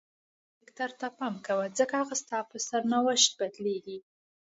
خپل کرکټر ته پام کوه ځکه هغه ستا په سرنوشت بدلیږي.